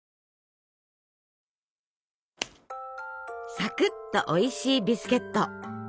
サクッとおいしいビスケット。